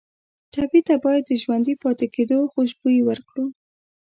ټپي ته باید د ژوندي پاتې کېدو خوشبويي ورکړو.